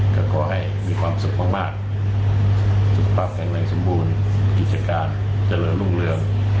ก็ขอให้มีความสุขมากสุขภาพแข็งแรงสมบูรณ์กิจการเจริญรุ่งเรือง